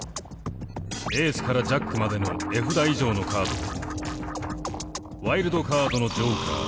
エースからジャックまでの絵札以上のカードとワイルドカードのジョーカー。